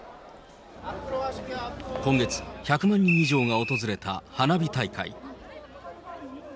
今月、１００万人以上が訪れた花火大会。